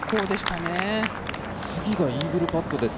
次がイーグルパットです。